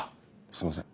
すいません。